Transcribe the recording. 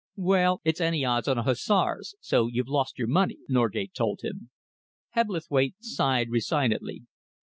"Well, it's any odds on the Hussars, so you've lost your money," Norgate told him. Hebblethwaite sighed resignedly.